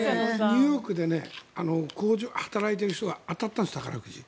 ニューヨークで働いている人が当たったんです宝くじ。